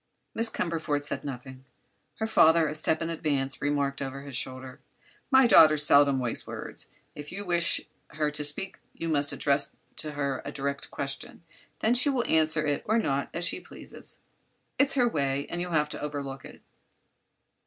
Miss Cumberford said nothing. Her father, a step in advance, remarked over his shoulder: "My daughter seldom wastes words. If you wish her to speak you must address to her a direct question; then she will answer it or not, as she pleases. It's her way, and you'll have to overlook it."